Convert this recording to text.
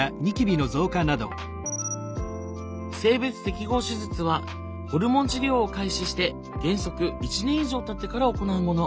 性別適合手術はホルモン治療を開始して原則１年以上たってから行うもの。